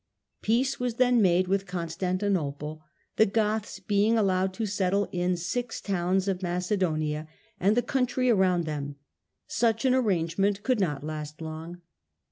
Peace was then made with Constantinople, the Goths being allowed to settle in six towns of Macedonia and the country around them. Such an arrangement could not last long.